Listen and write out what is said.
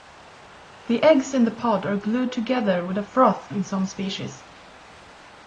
The eggs in the pod are glued together with a froth in some species.